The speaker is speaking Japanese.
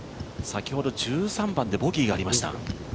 先ほど１３番でボギーがありました。